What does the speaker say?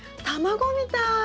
卵みたい。